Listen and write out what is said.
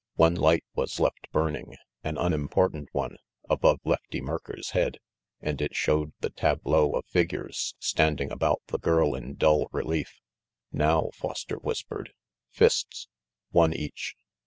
One light was left burning, an unimportant one, above Lefty Merker's head, and it showed the tableau of figures standing about the girl in dull relief. ' "Now," Foster whispered, "fists. One each.